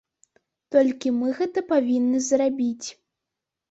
Толькі мы гэта павінны зрабіць.